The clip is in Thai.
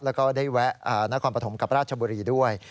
แล้วก็ได้แวะนครปฐมกับราชบุรีด้วย